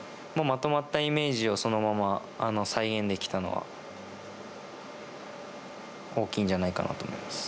まとまったイメージをそのまま再現できたのは大きいんじゃないかな